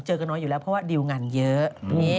กันน้อยอยู่แล้วเพราะว่าดิวงานเยอะ